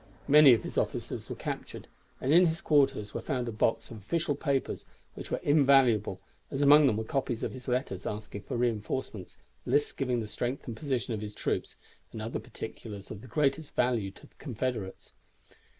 Many of his officers were captured, and in his quarters were found a box of official papers which were invaluable, as among them were copies of his letters asking for reinforcements, lists giving the strength and position of his troops, and other particulars of the greatest value to the Confederates.